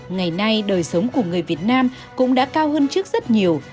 ngày nay đời sống của người việt nam cũng đã cao hơn trước rất nhiều